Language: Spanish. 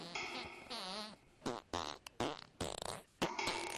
Su director es Felipe del Campo.